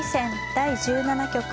第１７局。